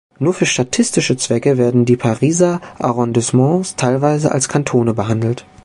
Nur für statistische Zwecke werden die Pariser Arrondissements teilweise als Kantone behandelt.